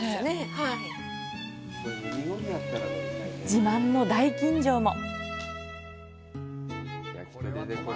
自慢の大吟醸も。